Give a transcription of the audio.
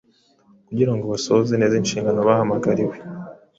Kugira ngo basohoze neza inshingano bahamagariwe;